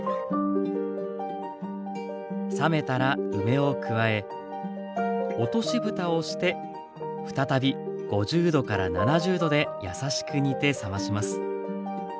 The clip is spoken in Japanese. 冷めたら梅を加え落としぶたをして再び５０７０℃で優しく煮て冷まします。